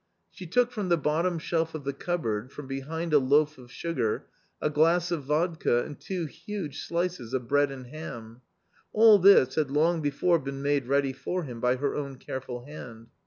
She took from the bottom shelf of the cupboard, from behind a loaf of sugar, a glass of vodka and two huge slices of bread and ham. All this had long before been made ready for him by her own careful hand.